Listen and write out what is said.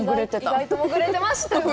意外と潜れてましたよね。